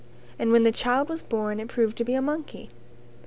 And when the child was born it proved to be a monkey.